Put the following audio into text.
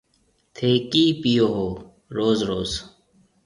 ٿَي ڪِي پيو هون روز روز